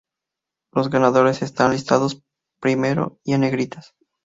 Los ganadores están listados primero y en negritas.